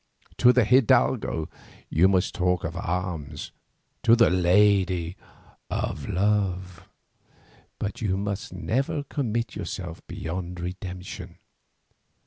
To the hidalgo you must talk of arms, to the lady, of love; but you must never commit yourself beyond redemption.